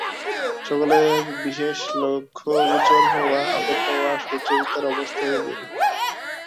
সকলের বিশেষ লক্ষগোচর হওয়া, আদর পাওয়া সুচরিতার অভ্যস্ত হইয়া গিয়াছিল।